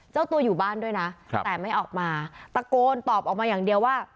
เจ้าตัวอยู่บ้านด้วยนะแต่ไม่ออกมาตะโกนตอบออกมาอย่างเดียวว่า